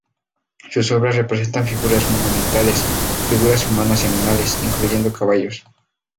Sus obras representan figuras monumentales, figuras humanas y animales, incluyendo caballos.